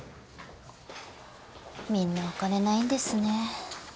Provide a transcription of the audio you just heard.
みんなお金ないんですね。